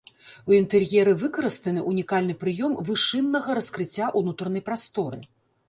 У інтэр'еры выкарыстаны ўнікальны прыём вышыннага раскрыцця ўнутранай прасторы.